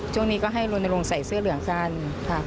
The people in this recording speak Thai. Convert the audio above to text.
ช่วงนี้ก็ให้ลนลงใส่เสื้อเหลืองกันค่ะ